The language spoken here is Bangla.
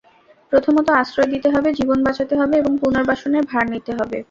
প্রথমত, আশ্রয় দিতে হবে, জীবন বাঁচাতে হবে এবং পুনর্বাসনের ভার নিতে হবে।